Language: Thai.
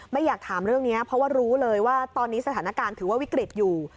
ไม่อยากถามเรื่องนี้เพราะว่ารู้เลยว่าตอนนี้สถานการณ์ถือว่าวิกฤตอยู่